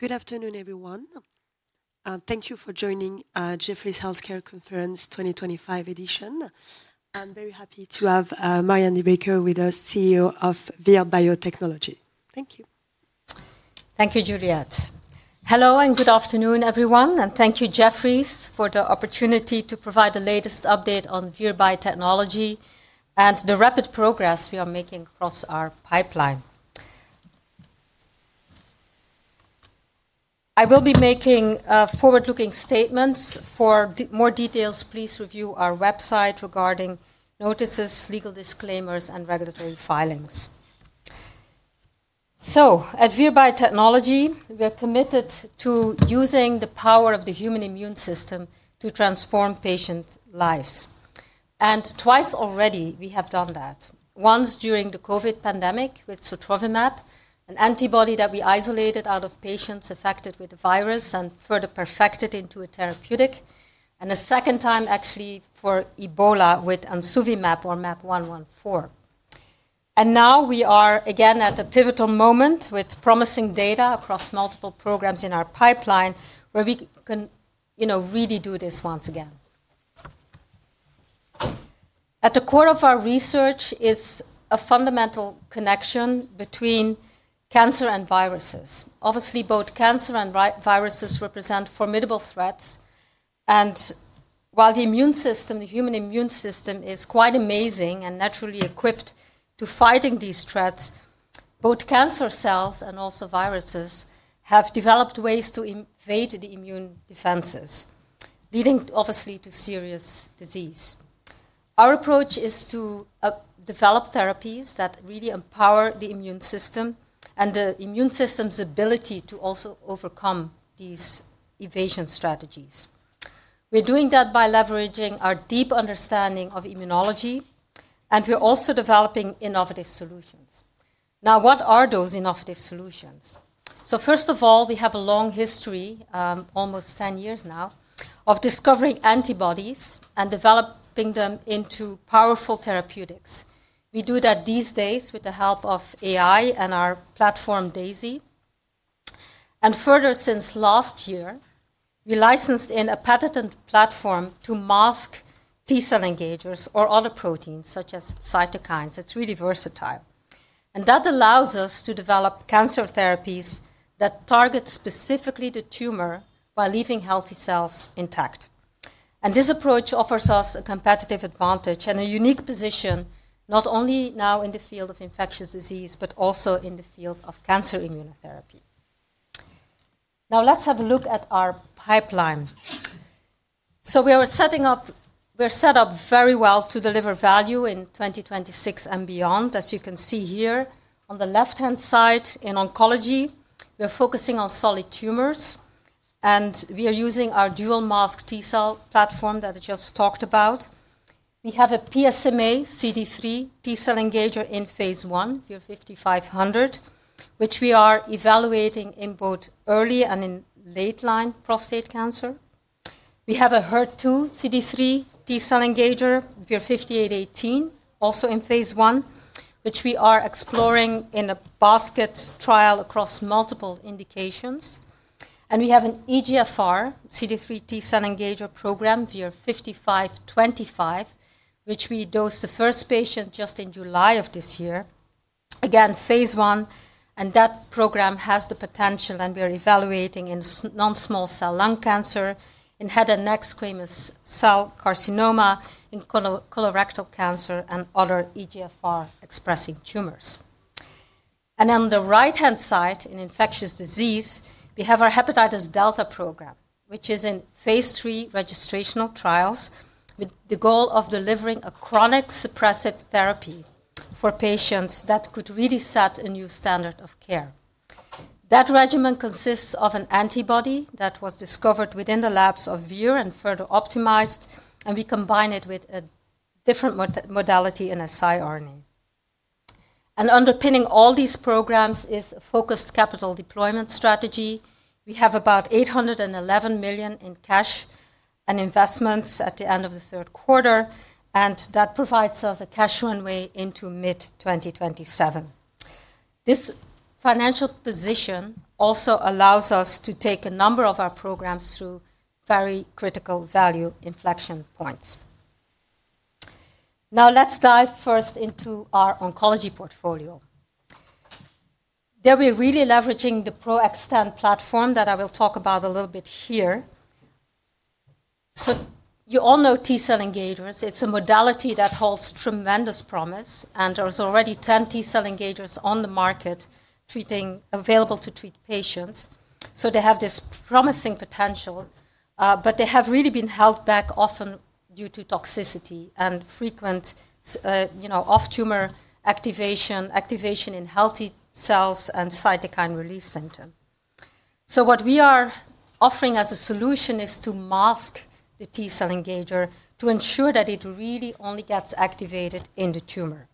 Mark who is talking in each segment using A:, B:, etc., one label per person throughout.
A: Good afternoon, everyone. Thank you for joining Jefferies Healthcare Conference 2025 edition. I'm very happy to have Marianne Backer with us, CEO of Vir Biotechnology. Thank you.
B: Thank you, Juliette. Hello and good afternoon, everyone. Thank you, Jefferies, for the opportunity to provide the latest update on Vir Biotechnology and the rapid progress we are making across our pipeline. I will be making forward-looking statements. For more details, please review our website regarding notices, legal disclaimers, and regulatory filings. At Vir Biotechnology, we are committed to using the power of the human immune system to transform patient lives. Twice already, we have done that. Once during the COVID pandemic with Sotrovimab, an antibody that we isolated out of patients affected with the virus and further perfected into a therapeutic. A second time, actually, for Ebola with Ansuvimab or mAb114. Now we are again at a pivotal moment with promising data across multiple programs in our pipeline where we can really do this once again. At the core of our research is a fundamental connection between cancer and viruses. Obviously, both cancer and viruses represent formidable threats. While the human immune system is quite amazing and naturally equipped to fight these threats, both cancer cells and also viruses have developed ways to invade the immune defenses, leading obviously to serious disease. Our approach is to develop therapies that really empower the immune system and the immune system's ability to also overcome these evasion strategies. We are doing that by leveraging our deep understanding of immunology, and we are also developing innovative solutions. Now, what are those innovative solutions? First of all, we have a long history, almost 10 years now, of discovering antibodies and developing them into powerful therapeutics. We do that these days with the help of AI and our platform DAISY. Further, since last year, we licensed in a patented platform to mask T-cell engagers or other proteins such as cytokines. It is really versatile. That allows us to develop cancer therapies that target specifically the tumor while leaving healthy cells intact. This approach offers us a competitive advantage and a unique position not only now in the field of infectious disease, but also in the field of cancer immunotherapy. Now, let's have a look at our pipeline. We are set up very well to deliver value in 2026 and beyond, as you can see here. On the left-hand side in oncology, we are focusing on solid tumors, and we are using our dual-mask T-cell platform that I just talked about. We have a PSMA-CD3 T-cell engager in phase 1, VIR-5500, which we are evaluating in both early and in late-line prostate cancer. We have a HER2 CD3 T-cell engager, VIR-5818, also in phase 1, which we are exploring in a basket trial across multiple indications. We have an EGFR CD3 T-cell engager program, VIR-5525, which we dosed the first patient just in July of this year. Again, phase 1, and that program has the potential, and we are evaluating in non-small cell lung cancer, in head and neck squamous cell carcinoma, in colorectal cancer, and other EGFR-expressing tumors. On the right-hand side, in infectious disease, we have our hepatitis delta program, which is in phase 3 registrational trials with the goal of delivering a chronic suppressive therapy for patients that could really set a new standard of care. That regimen consists of an antibody that was discovered within the labs of Vir and further optimized, and we combine it with a different modality in a siRNA. Underpinning all these programs is a focused capital deployment strategy. We have about $811 million in cash and investments at the end of the third quarter, and that provides us a cash runway into mid-2027. This financial position also allows us to take a number of our programs through very critical value inflection points. Now, let's dive first into our oncology portfolio. There we are really leveraging the ProX10 platform that I will talk about a little bit here. You all know T-cell engagers. It's a modality that holds tremendous promise, and there are already 10 T-cell engagers on the market available to treat patients. They have this promising potential, but they have really been held back often due to toxicity and frequent off-tumor activation, activation in healthy cells, and cytokine release syndrome. What we are offering as a solution is to mask the T-cell engager to ensure that it really only gets activated in the tumor.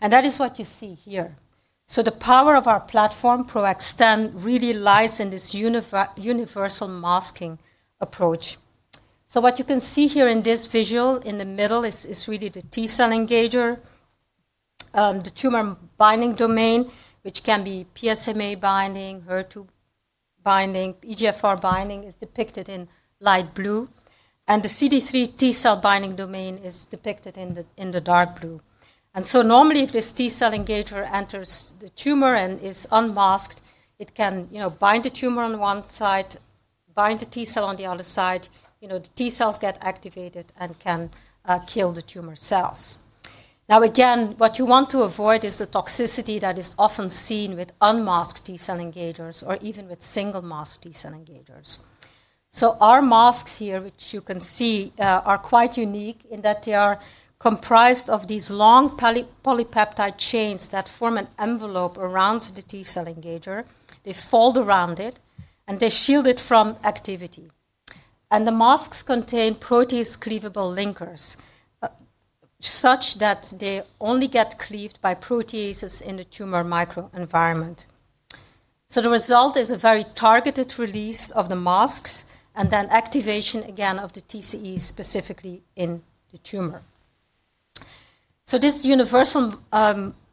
B: That is what you see here. The power of our platform, ProX10, really lies in this universal masking approach. What you can see here in this visual in the middle is really the T-cell engager, the tumor binding domain, which can be PSMA binding, HER2 binding, EGFR binding, is depicted in light blue, and the CD3 T-cell binding domain is depicted in the dark blue. Normally, if this T-cell engager enters the tumor and is unmasked, it can bind the tumor on one side, bind the T-cell on the other side, the T-cells get activated and can kill the tumor cells. Now, again, what you want to avoid is the toxicity that is often seen with unmasked T-cell engagers or even with single-masked T-cell engagers. Our masks here, which you can see, are quite unique in that they are comprised of these long polypeptide chains that form an envelope around the T-cell engager. They fold around it, and they shield it from activity. The masks contain protease-cleavable linkers such that they only get cleaved by proteases in the tumor microenvironment. The result is a very targeted release of the masks and then activation again of the TCE specifically in the tumor. This universal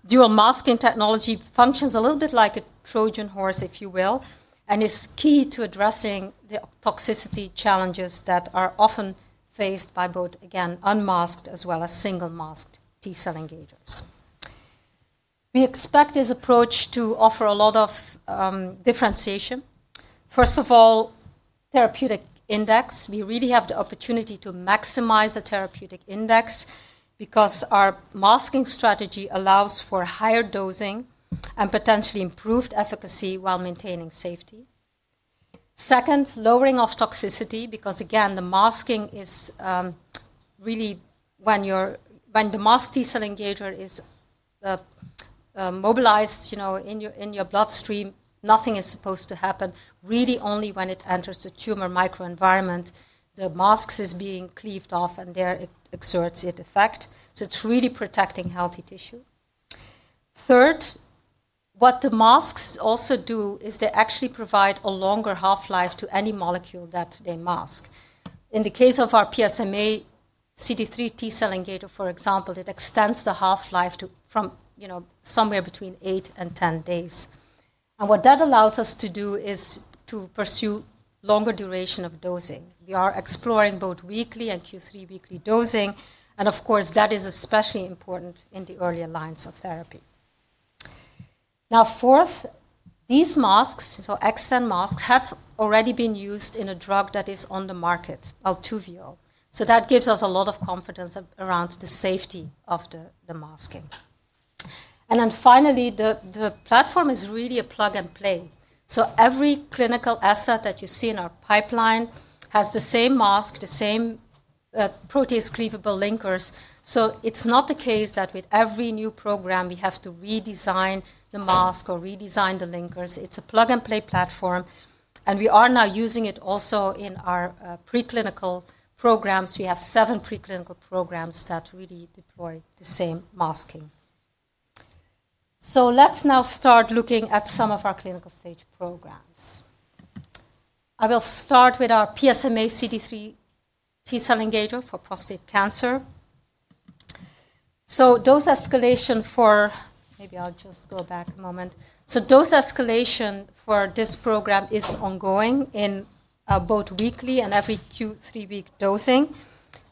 B: dual-masking technology functions a little bit like a Trojan horse, if you will, and is key to addressing the toxicity challenges that are often faced by both, again, unmasked as well as single-masked T-cell engagers. We expect this approach to offer a lot of differentiation. First of all, therapeutic index. We really have the opportunity to maximize the therapeutic index because our masking strategy allows for higher dosing and potentially improved efficacy while maintaining safety. Second, lowering of toxicity because, again, the masking is really when the masked T-cell engager is mobilized in your bloodstream, nothing is supposed to happen. Really, only when it enters the tumor microenvironment, the mask is being cleaved off, and there it exerts its effect. It is really protecting healthy tissue. Third, what the masks also do is they actually provide a longer half-life to any molecule that they mask. In the case of our PSMA CD3 T-cell engager, for example, it extends the half-life from somewhere between 8 and 10 days. What that allows us to do is to pursue longer duration of dosing. We are exploring both weekly and Q3 weekly dosing. Of course, that is especially important in the early lines of therapy. Now, fourth, these masks, so X10 masks, have already been used in a drug that is on the market, Welltuvio. That gives us a lot of confidence around the safety of the masking. Finally, the platform is really a plug and play. Every clinical asset that you see in our pipeline has the same mask, the same protease-cleavable linkers. It is not the case that with every new program, we have to redesign the mask or redesign the linkers. It is a plug and play platform. We are now using it also in our preclinical programs. We have seven preclinical programs that really deploy the same masking. Let's now start looking at some of our clinical stage programs. I will start with our PSMA-CD3 T-cell engager for prostate cancer. Dose escalation for, maybe I'll just go back a moment, dose escalation for this program is ongoing in both weekly and every Q3 week dosing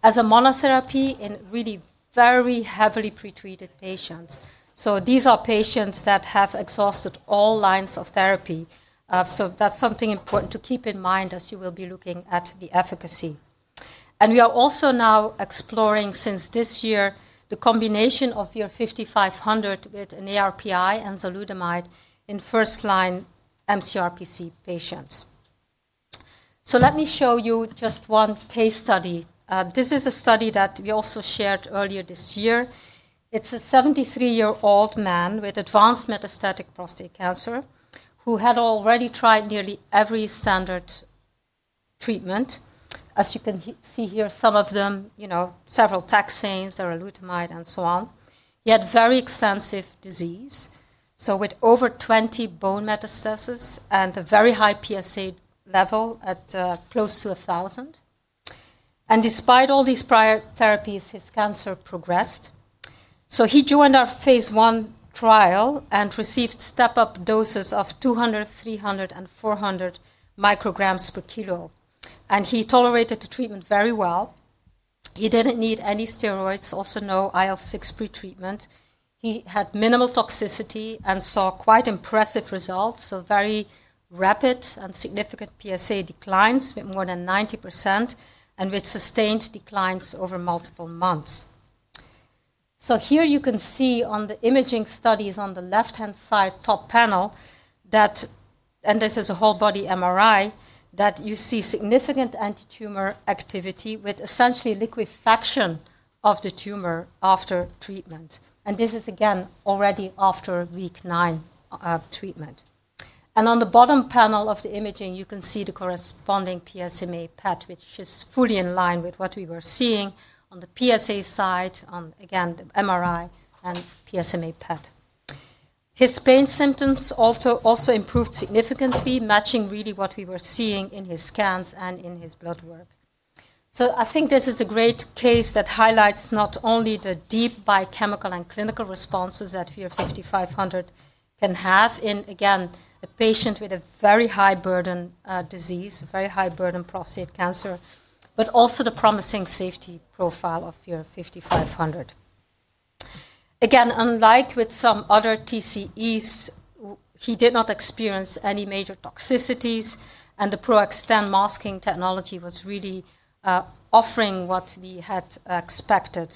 B: as a monotherapy in really very heavily pretreated patients. These are patients that have exhausted all lines of therapy. That's something important to keep in mind as you will be looking at the efficacy. We are also now exploring, since this year, the combination of VIR-5500 with an ARPI and enzalutamide in first-line MCRPC patients. Let me show you just one case study. This is a study that we also shared earlier this year. It's a 73-year-old man with advanced metastatic prostate cancer who had already tried nearly every standard treatment. As you can see here, some of them, several taxanes, enzalutamide, and so on, yet very extensive disease. With over 20 bone metastases and a very high PSA level at close to 1,000. Despite all these prior therapies, his cancer progressed. He joined our phase 1 trial and received step-up doses of 200, 300, and 400 micrograms per kilo. He tolerated the treatment very well. He did not need any steroids, also no IL-6 pretreatment. He had minimal toxicity and saw quite impressive results, very rapid and significant PSA declines with more than 90% and with sustained declines over multiple months. Here you can see on the imaging studies on the left-hand side top panel that, and this is a whole body MRI, you see significant anti-tumor activity with essentially liquefaction of the tumor after treatment. This is, again, already after week nine of treatment. On the bottom panel of the imaging, you can see the corresponding PSMA PET, which is fully in line with what we were seeing on the PSA side on, again, the MRI and PSMA PET. His pain symptoms also improved significantly, matching really what we were seeing in his scans and in his blood work. I think this is a great case that highlights not only the deep biochemical and clinical responses that VIR-5500 can have in, again, a patient with a very high burden disease, very high burden prostate cancer, but also the promising safety profile of VIR-5500. Again, unlike with some other TCEs, he did not experience any major toxicities, and the ProX10 masking technology was really offering what we had expected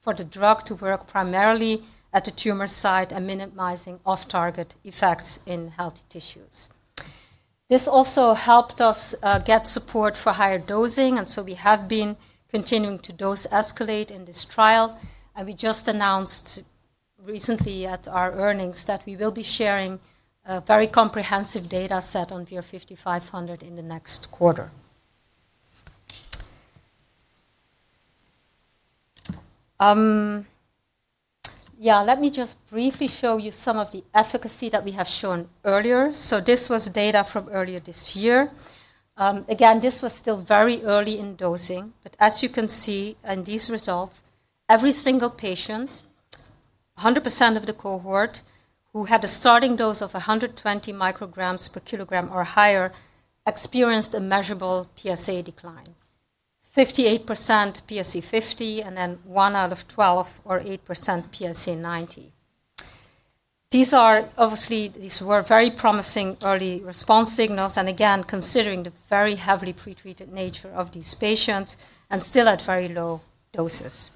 B: for the drug to work primarily at the tumor site and minimizing off-target effects in healthy tissues. This also helped us get support for higher dosing, and we have been continuing to dose escalate in this trial. We just announced recently at our earnings that we will be sharing a very comprehensive data set on VIR-5500 in the next quarter. Yeah, let me just briefly show you some of the efficacy that we have shown earlier. This was data from earlier this year. Again, this was still very early in dosing, but as you can see in these results, every single patient, 100% of the cohort who had a starting dose of 120 micrograms per kilogram or higher experienced a measurable PSA decline, 58% PSA 50, and then 1 out of 12 or 8% PSA 90. These are obviously, these were very promising early response signals, and again, considering the very heavily pretreated nature of these patients and still at very low doses.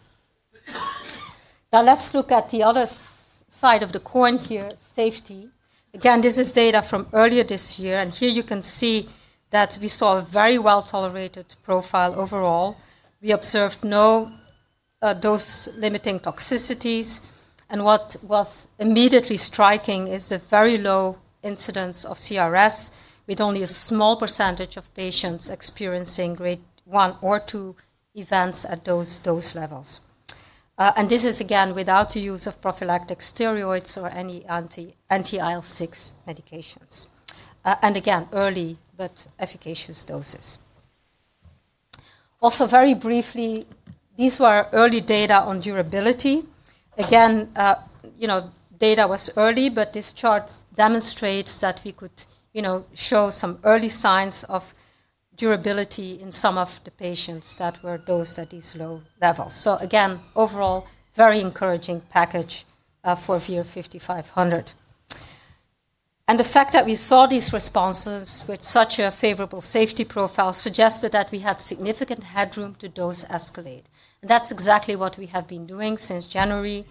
B: Now, let's look at the other side of the coin here, safety. Again, this is data from earlier this year, and here you can see that we saw a very well-tolerated profile overall. We observed no dose-limiting toxicities, and what was immediately striking is the very low incidence of CRS with only a small percentage of patients experiencing grade one or two events at those dose levels. This is, again, without the use of prophylactic steroids or any anti-IL-6 medications. Again, early but efficacious doses. Also, very briefly, these were early data on durability. Again, data was early, but this chart demonstrates that we could show some early signs of durability in some of the patients that were dosed at these low levels. Again, overall, very encouraging package for VIR-5500. The fact that we saw these responses with such a favorable safety profile suggested that we had significant headroom to dose escalate. That is exactly what we have been doing since January.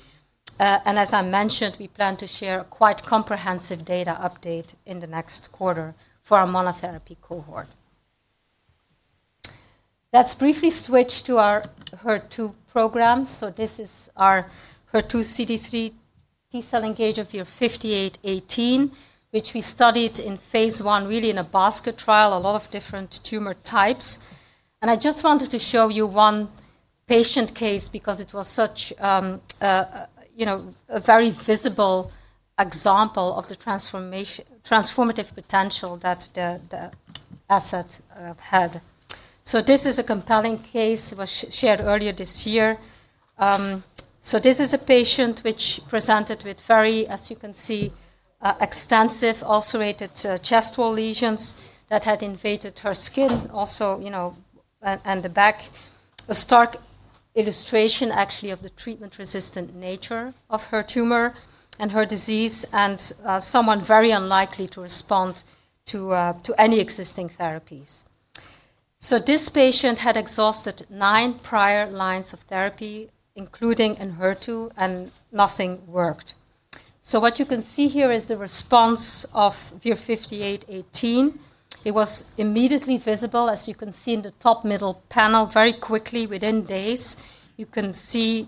B: As I mentioned, we plan to share a quite comprehensive data update in the next quarter for our monotherapy cohort. Let's briefly switch to our HER2 program. This is our HER2 CD3 T-cell engager for 5818, which we studied in phase 1, really in a basket trial, a lot of different tumor types. I just wanted to show you one patient case because it was such a very visible example of the transformative potential that the asset had. This is a compelling case. It was shared earlier this year. This is a patient which presented with very, as you can see, extensive ulcerated chest wall lesions that had invaded her skin also and the back, a stark illustration actually of the treatment-resistant nature of her tumor and her disease and someone very unlikely to respond to any existing therapies. This patient had exhausted nine prior lines of therapy, including in HER2, and nothing worked. What you can see here is the response of VIR-5818. It was immediately visible, as you can see in the top middle panel, very quickly within days. You can see,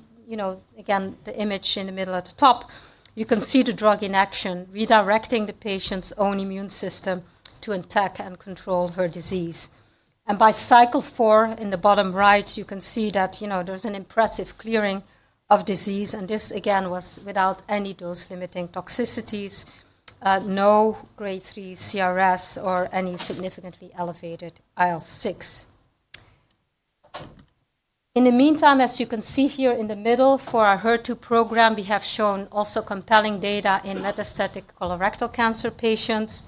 B: again, the image in the middle at the top. You can see the drug in action, redirecting the patient's own immune system to attack and control her disease. By cycle four in the bottom right, you can see that there's an impressive clearing of disease. This, again, was without any dose-limiting toxicities, no grade 3 CRS or any significantly elevated IL-6. In the meantime, as you can see here in the middle for our HER2 program, we have shown also compelling data in metastatic colorectal cancer patients.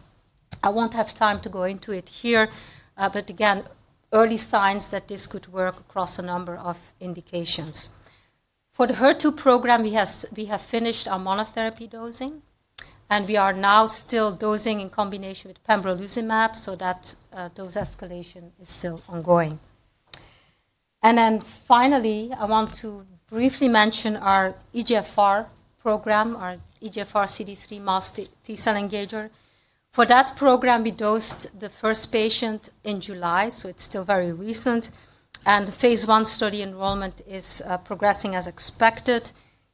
B: I won't have time to go into it here, but again, early signs that this could work across a number of indications. For the HER2 program, we have finished our monotherapy dosing, and we are now still dosing in combination with pembrolizumab, so that dose escalation is still ongoing. Finally, I want to briefly mention our EGFR program, our EGFR CD3 masked T-cell engager. For that program, we dosed the first patient in July, so it is still very recent. Phase 1 study enrollment is progressing as expected.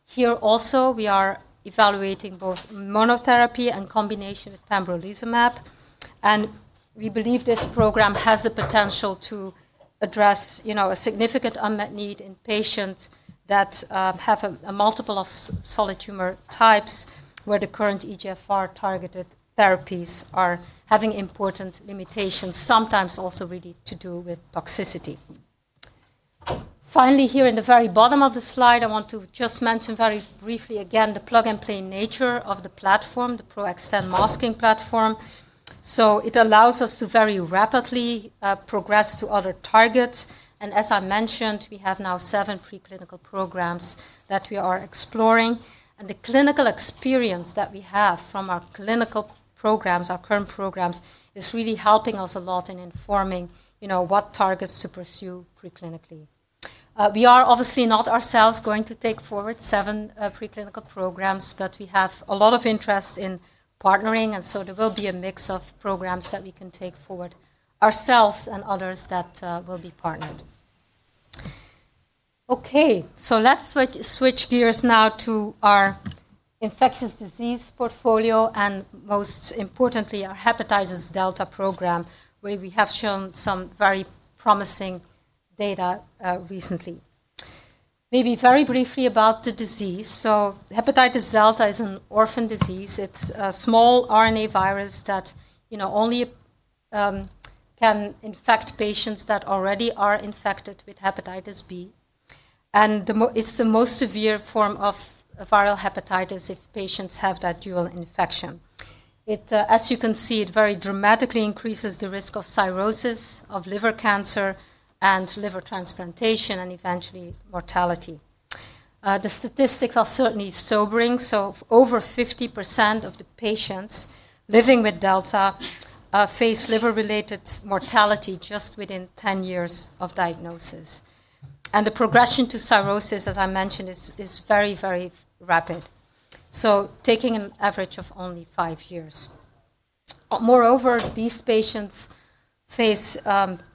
B: Here also, we are evaluating both monotherapy and in combination with pembrolizumab. We believe this program has the potential to address a significant unmet need in patients that have a multiple of solid tumor types where the current EGFR targeted therapies are having important limitations, sometimes also really to do with toxicity. Finally, here in the very bottom of the slide, I want to just mention very briefly again the plug and play nature of the platform, the ProX10 masking platform. It allows us to very rapidly progress to other targets. As I mentioned, we have now seven preclinical programs that we are exploring. The clinical experience that we have from our clinical programs, our current programs, is really helping us a lot in informing what targets to pursue preclinically. We are obviously not ourselves going to take forward seven preclinical programs, but we have a lot of interest in partnering. There will be a mix of programs that we can take forward ourselves and others that will be partnered. Okay, let's switch gears now to our infectious disease portfolio and most importantly, our hepatitis delta program, where we have shown some very promising data recently. Maybe very briefly about the disease. Hepatitis delta is an orphan disease. It's a small RNA virus that only can infect patients that already are infected with hepatitis B. It's the most severe form of viral hepatitis if patients have that dual infection. As you can see, it very dramatically increases the risk of cirrhosis, of liver cancer, and liver transplantation, and eventually mortality. The statistics are certainly sobering. Over 50% of the patients living with Delta face liver-related mortality just within 10 years of diagnosis. The progression to cirrhosis, as I mentioned, is very, very rapid, taking an average of only five years. Moreover, these patients face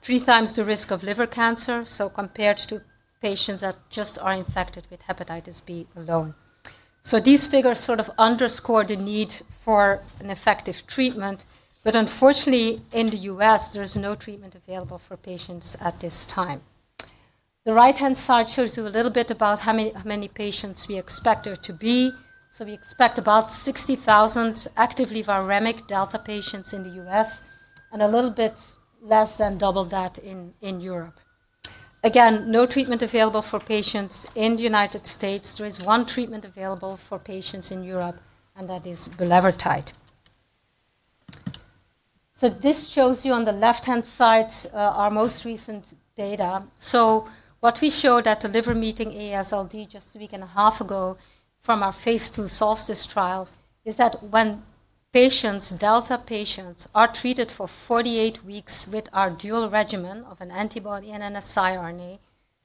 B: three times the risk of liver cancer compared to patients that just are infected with hepatitis B alone. These figures sort of underscore the need for an effective treatment, but unfortunately, in the U.S., there is no treatment available for patients at this time. The right-hand side shows you a little bit about how many patients we expect there to be. We expect about 60,000 actively viremic Delta patients in the U.S. and a little bit less than double that in Europe. Again, no treatment available for patients in the United States. There is one treatment available for patients in Europe, and that is bulevirtide. This shows you on the left-hand side our most recent data. What we showed at the liver meeting AASLD just a week and a half ago from our phase II SOLSTICE trial is that when Delta patients are treated for 48 weeks with our dual regimen of an antibody and an siRNA,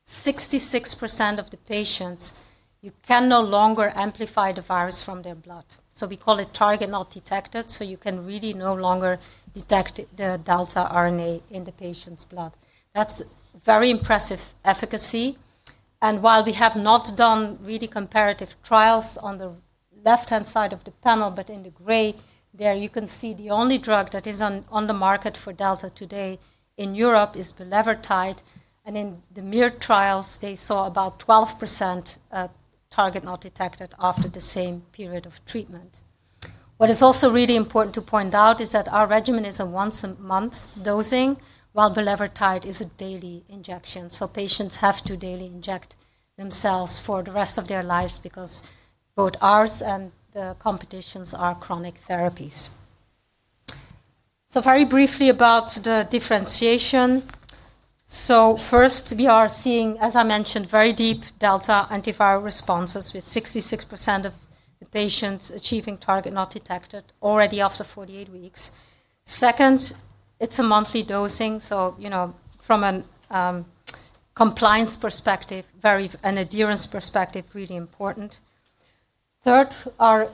B: 66% of the patients, you can no longer amplify the virus from their blood. We call it target not detected, so you can really no longer detect the Delta RNA in the patient's blood. That's very impressive efficacy. While we have not done really comparative trials, on the left-hand side of the panel, in the gray there, you can see the only drug that is on the market for Delta today in Europe is bulevirtide. In the MIR trials, they saw about 12% target not detected after the same period of treatment. What is also really important to point out is that our regimen is a once-a-month dosing, while bulevirtide is a daily injection. Patients have to daily inject themselves for the rest of their lives because both ours and the competition's are chronic therapies. Very briefly about the differentiation. First, we are seeing, as I mentioned, very deep Delta antiviral responses with 66% of the patients achieving target not detected already after 48 weeks. Second, it is a monthly dosing. From a compliance perspective and an adherence perspective, really important. Third, our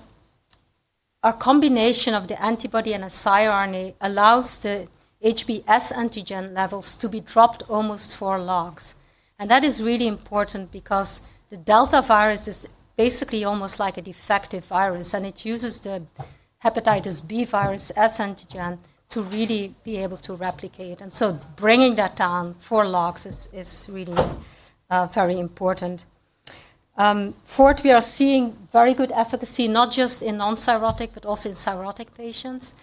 B: combination of the antibody and a siRNA allows the HBs antigen levels to be dropped almost four logs. That is really important because the Delta virus is basically almost like a defective virus, and it uses the hepatitis B virus S antigen to really be able to replicate. Bringing that down four logs is really very important. Fourth, we are seeing very good efficacy, not just in non-cirrhotic, but also in cirrhotic patients.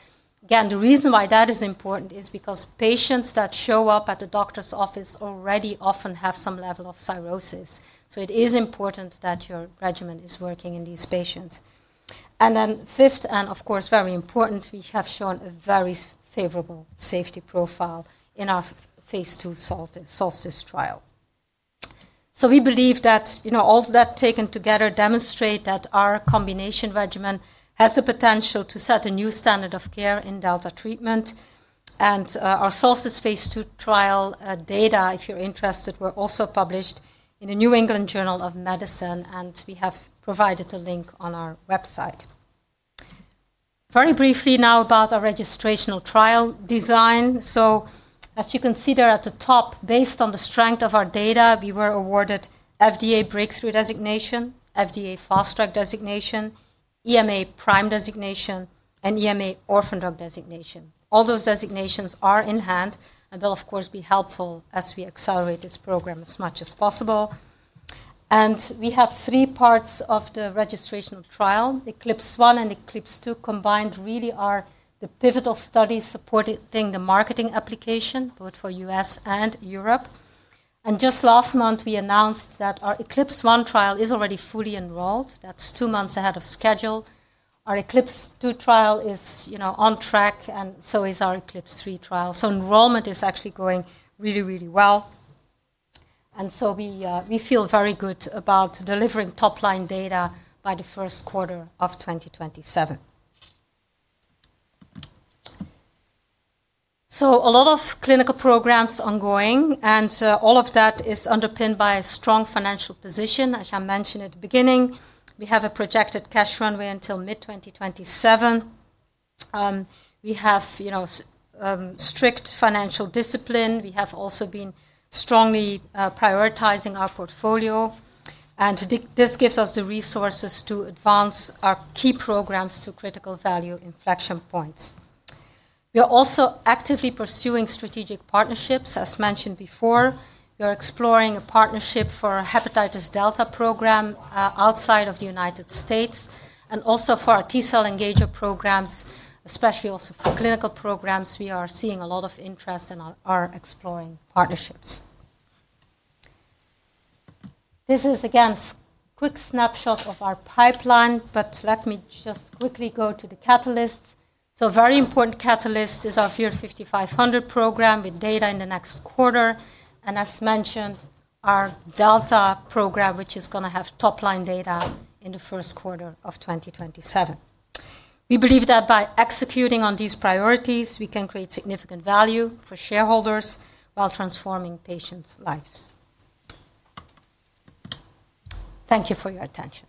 B: The reason why that is important is because patients that show up at the doctor's office already often have some level of cirrhosis. It is important that your regimen is working in these patients. Then fifth, and of course, very important, we have shown a very favorable safety profile in our phase two SOLSTICE trial. We believe that all that taken together demonstrates that our combination regimen has the potential to set a new standard of care in Delta treatment. Our SOLSTICE phase two trial data, if you're interested, were also published in the New England Journal of Medicine, and we have provided a link on our website. Very briefly now about our registrational trial design. As you can see there at the top, based on the strength of our data, we were awarded FDA breakthrough designation, FDA fast track designation, EMA PRIME designation, and EMA orphan drug designation. All those designations are in hand and will, of course, be helpful as we accelerate this program as much as possible. We have three parts of the registrational trial. Eclipse 1 and Eclipse 2 combined really are the pivotal studies supporting the marketing application, both for the U.S. and Europe. Just last month, we announced that our Eclipse 1 trial is already fully enrolled. That is two months ahead of schedule. Our Eclipse 2 trial is on track, and so is our Eclipse 3 trial. Enrollment is actually going really, really well. We feel very good about delivering top-line data by the first quarter of 2027. A lot of clinical programs are ongoing, and all of that is underpinned by a strong financial position, as I mentioned at the beginning. We have a projected cash runway until mid-2027. We have strict financial discipline. We have also been strongly prioritizing our portfolio. This gives us the resources to advance our key programs to critical value inflection points. We are also actively pursuing strategic partnerships, as mentioned before. We are exploring a partnership for our hepatitis delta program outside of the United States. Also for our T-cell engager programs, especially for clinical programs, we are seeing a lot of interest and are exploring partnerships. This is, again, a quick snapshot of our pipeline, but let me just quickly go to the catalysts. A very important catalyst is our VIR-5500 program with data in the next quarter. As mentioned, our delta program is going to have top-line data in the first quarter of 2027. We believe that by executing on these priorities, we can create significant value for shareholders while transforming patients' lives. Thank you for your attention.